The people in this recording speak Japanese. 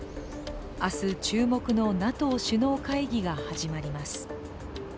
明日、注目のＮＡＴＯ首脳会議が始まります。